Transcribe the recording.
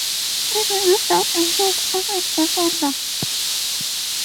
It will no doubt improve as it gets older.